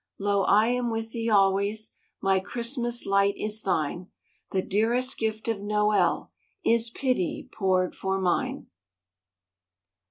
Lo, I am with thee always, My Christmas light is thine; The dearest gift of Noel Is pity poured for mine!"